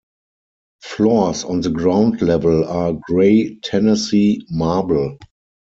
Floors on the ground level are gray Tennessee marble.